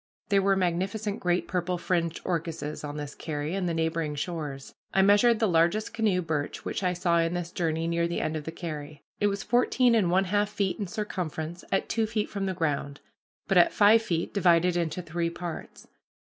There were magnificent great purple fringed orchises on this carry and the neighboring shores. I measured the largest canoe birch which I saw in this journey near the end of the carry. It was fourteen and one half feet in circumference at two feet from the ground, but at five feet divided into three parts.